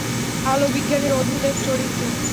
আলো বিজ্ঞানের অদ্ভুত এক চরিত্র।